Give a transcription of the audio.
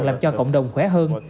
làm cho cộng đồng khỏe hơn